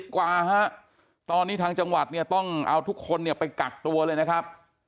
๙๐กว่าตอนนี้ทางจังหวัดต้องเอาทุกคนไปกักตัวเลยนะครับ